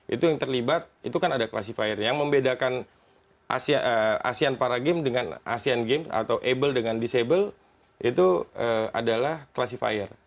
itu yang terlibat itu kan ada classifire nya yang membedakan asean para games dengan asean games atau able dengan disable itu adalah classifire